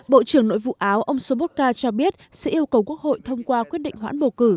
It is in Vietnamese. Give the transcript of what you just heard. bộ trưởng nội vụ áo ông sôbotka cho biết sẽ yêu cầu quốc hội thông qua quyết định hoãn bầu cử